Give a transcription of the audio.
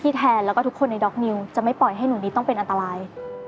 แทนแล้วก็ทุกคนในด็อกนิวจะไม่ปล่อยให้หนูนิดต้องเป็นอันตราย